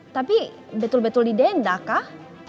tapi betul betul didenda kah